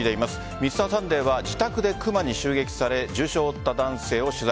「Ｍｒ．サンデー」は自宅でクマに襲撃され重傷を負った男性を取材。